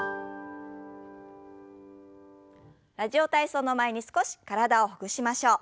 「ラジオ体操」の前に少し体をほぐしましょう。